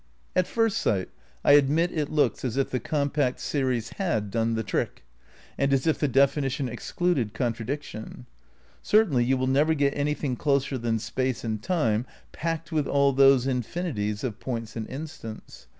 At first sight I admit it looks as if the compact series had done the trick, and as if the definition excluded contradiction. Certainly you will never get anything closer than space and time packed with all those infini ties of points and instants.